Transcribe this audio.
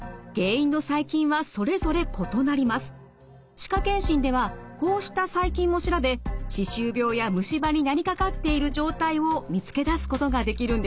歯科健診ではこうした細菌を調べ歯周病や虫歯になりかかっている状態を見つけ出すことができるんです。